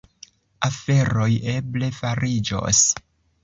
Aferoj eble fariĝos.